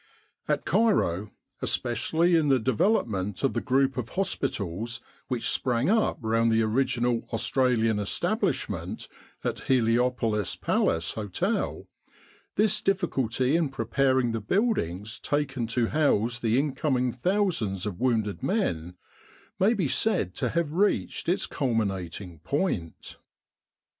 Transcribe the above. At Cairo, especially in the development of the group of hospitals which sprang up round the original Australian establishment at Heliopolis Palace Hotel, this difficulty in preparing the buildings taken to house the incoming thousands of wounded men, may be said to have reached its culminating point.